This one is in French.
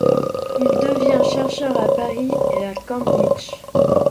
Il devient chercheur à Paris et à Cambridge.